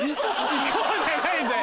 「行こう」じゃないんだよ！